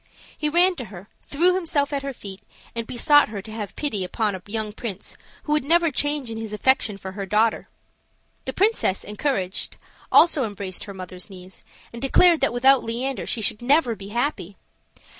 He ran to her, threw himself at her feet, and besought her to have pity upon a young prince who would never change in his affection for her daughter. The princess, encouraged, also embraced her mother's knees, and declared that without Leander she should never be happy.